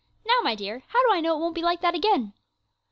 Now, my dear, how do I know it won't be like that again?'